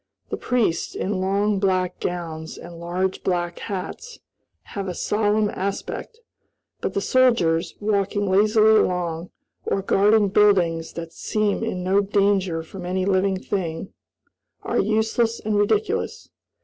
The priests, in long black gowns and large black hats, have a solemn aspect; but the soldiers, walking lazily along, or guarding buildings that seem in no danger from any living thing, are useless and ridiculous.